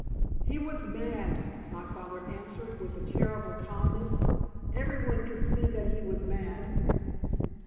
"He was mad," my father answered, with a terrible calmness. "Every one could see that he was mad."